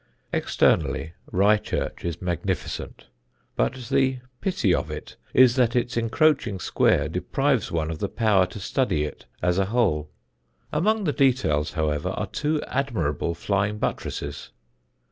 Externally Rye church is magnificent, but the pity of it is that its encroaching square deprives one of the power to study it as a whole. Among the details, however, are two admirable flying buttresses.